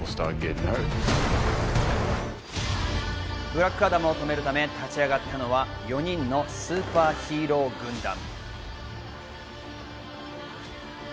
ブラックアダムを止めるため立ち上がったのは、４人のスーパーヒーロー軍団。